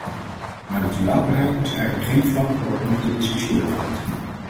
Maar de toelaatbaarheid is eigenlijk geen vlak waarop nog te discussiëren valt.